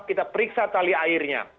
kita periksa tali airnya